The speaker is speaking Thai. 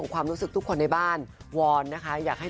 ในฐานะลูกของคนก็ยังไง